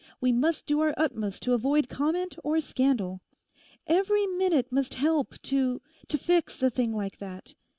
We must do our utmost to avoid comment or scandal. Every minute must help to—to fix a thing like that.